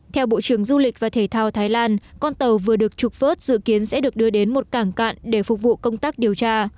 theo bộ trưởng du lịch và thể thao thái lan con tàu vừa được trục vớt dự kiến sẽ được đưa đến một cảng cạn để phục vụ công tác điều tra